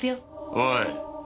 おい。